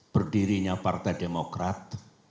berdirinya partai demokrat